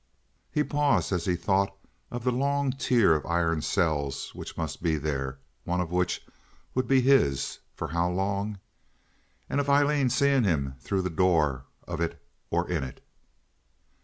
He paused as he thought of the long tier of iron cells which must be there, one of which would be his—for how long?—and of Aileen seeing him through the door of it or in it.